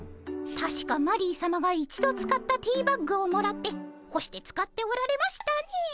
たしかマリーさまが一度使ったティーバッグをもらってほして使っておられましたね。